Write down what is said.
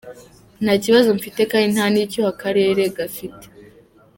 “Nta kibazo mfite, kandi nta n’icyo akarere gafite .”